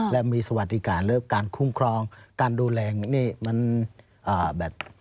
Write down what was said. และมีสวัสดีการเรื่องการคุ้มครองการดูแล